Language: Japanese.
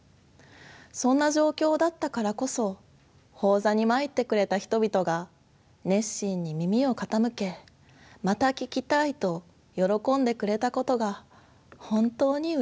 そんな状況だったからこそ法座に参ってくれた人々が熱心に耳を傾け「また聞きたい」と喜んでくれたことが本当にうれしかった。